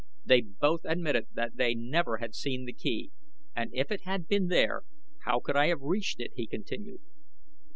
They both admitted that they never had seen the key. "And if it had been there how could I have reached it?" he continued.